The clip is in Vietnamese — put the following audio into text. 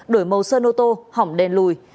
đổi màu sơn ô tô hỏng đèn lùi